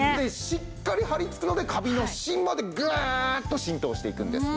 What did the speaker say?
しっかり張りつくのでカビの芯までグーッと浸透していくんです。